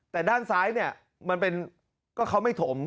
แต่ด้านซ้ายก็เขาไม่ถม